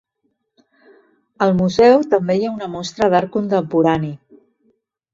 Al museu també hi ha una mostra d'art contemporani.